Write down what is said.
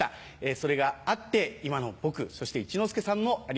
それがあって今の僕そして一之輔さんもあります。